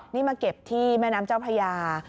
นี่มาเก็บที่แม่น้ำเจ้าพระยา